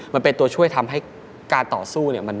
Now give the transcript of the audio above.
มันเป็นตัวช่วยทำให้การต่อสู้เนี่ย